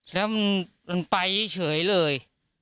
แล้วมันไปเฉยเลย